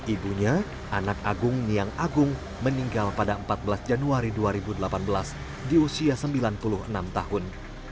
ibunya anak agung niang agung meninggal pada empat belas januari dua ribu delapan belas di usia sembilan puluh enam tahun